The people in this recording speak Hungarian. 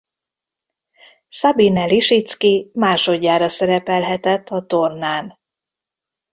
Sabine Lisicki másodjára szerepelhetett a tornán.